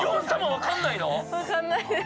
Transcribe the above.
わかんないです